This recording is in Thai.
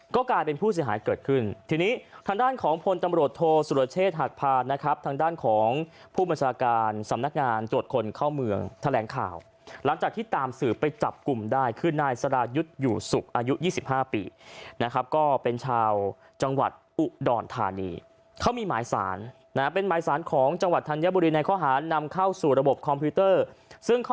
ก็กลายเป็นผู้เสียหายเกิดขึ้นทีนี้ทางด้านของพนตรรวจโธสุรเชษฐรผาญทางด้านของผู้มันสารการสำนักงานจดคนเข้าเมืองแถลงข่าวหลังจากที่ตามสื่อไปจับกลุ่มได้คือนายสระยุทธ์อยู่สุขอายุยี่สิบห้าปีเป็นชาวจังหวัดอุดรธานีมีหมายสารเป็นหมายสารของจังหวัดธัณยบุรีในข้อหารน